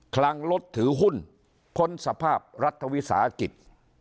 คลังรถถือหุ้นพ้นสภาพรัฐวิสาหกิจ